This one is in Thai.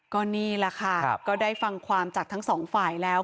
ก็นี่แหละค่ะก็ได้ฟังความจากทั้งสองฝ่ายแล้ว